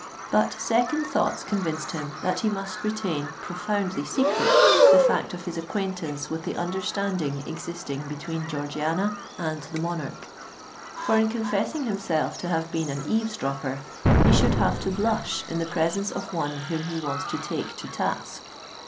But second thoughts convinced him that he must retain profoundly secret the fact of his acquaintance with the understanding existing between Georgiana and the monarch; for in confessing himself to have been an eaves dropper, he should have to blush in the presence of one whom he was to take to task.